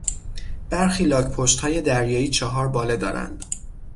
برخی لاکپشتهای دریایی چهار باله دارند.